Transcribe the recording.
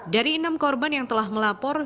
dari enam korban yang telah melapor